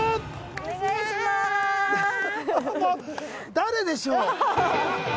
誰でしょう？